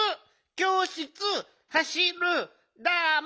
きょうしつはしるダメ！